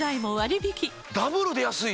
ダブルで安いな！